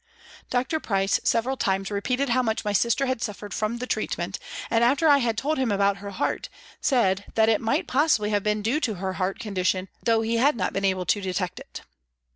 " Dr. Price several times repeated how much THE HOME OFFICE 299 my sister had suffered from the treatment, and, after I had told him about her heart, said that it might possibly have been due to her heart condition, though he had not been able to detect it."